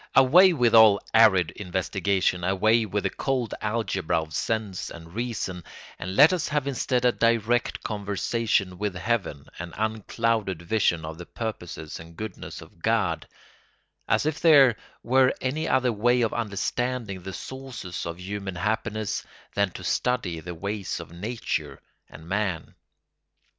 Away with all arid investigation, away with the cold algebra of sense and reason, and let us have instead a direct conversation with heaven, an unclouded vision of the purposes and goodness of God; as if there were any other way of understanding the sources of human happiness than to study the ways of nature and man.